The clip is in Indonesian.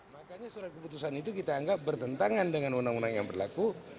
makanya surat keputusan itu kita anggap bertentangan dengan undang undang yang berlaku